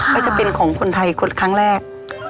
ก็จะเป็นของคนไทยขุดครั้งแรก